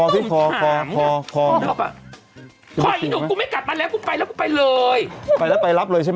ต้องตรงนี้เลยเหรอ